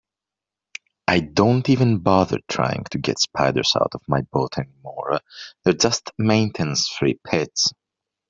I don't even bother trying to get spiders out of my boat anymore, they're just maintenance-free pets.